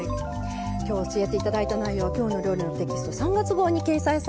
今日教えて頂いた内容は「きょうの料理」のテキスト３月号に掲載されています。